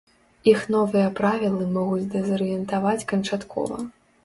Іх новыя правілы могуць дэзарыентаваць канчаткова.